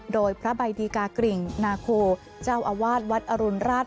โดยพระใบดีกากริ่งนาโคเจ้าอาวาสวัดอรุณราช